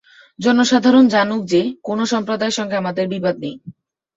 জনসাধারণ জানুক যে, কোন সম্প্রদায়ের সঙ্গে আমাদের বিবাদ নেই।